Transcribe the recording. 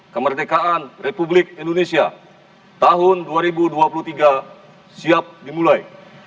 kemerdekaan republik indonesia tahun dua ribu dua puluh tiga siap dimulai